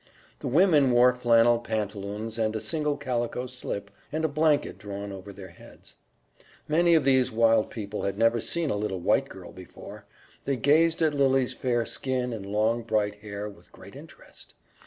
The women wore flannel pantaloons and a single calico slip, and a blanket drawn over their heads. Many of these wild people had never seen a little white girl before. They gazed at Lily's fair skin and long bright hair with great interest.